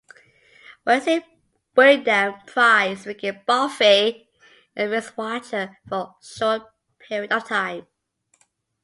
Wesley Wyndam-Pryce became Buffy and Faith's Watcher for a short period of time.